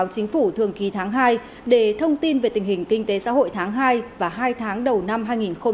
báo chính phủ thường ký tháng hai để thông tin về tình hình kinh tế xã hội tháng hai và hai tháng đầu năm hai nghìn hai mươi ba